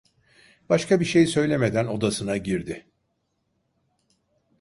Başka bir şey söylemeden odasına girdi.